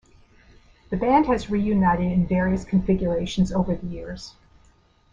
The band has reunited in various configurations over the years.